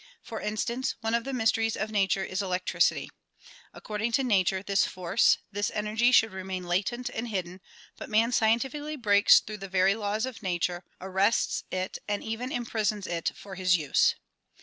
For instance, one of the mysteries of nature is electricity. According to nature 28 THE PROMULGATION OF UNIVERSAL PEACE this force, this energy should remain latent and hidden, but man scientifically breaks through the very laws of nature, arrests it and even imprisons it for his use.